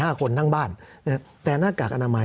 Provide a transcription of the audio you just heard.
สำหรับกำลังการผลิตหน้ากากอนามัย